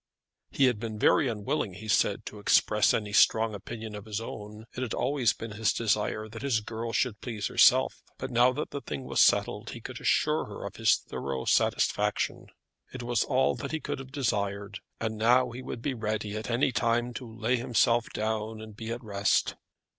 He had been very unwilling, he said, to express any strong opinion of his own. It had always been his desire that his girl should please herself. But now that the thing was settled he could assure her of his thorough satisfaction. It was all that he could have desired; and now he would be ready at any time to lay himself down, and be at rest.